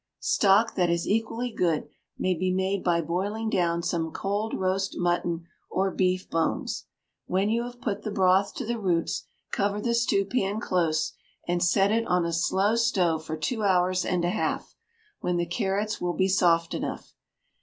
Stock that is equally good may be made by boiling down some cold roast mutton or beef bones. When you have put the broth to the roots, cover the stewpan close, and set it on a slow stove for two hours and a half, when the carrots will be soft enough.